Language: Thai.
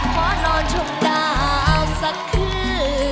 พอนอนชุมดาวสักคืน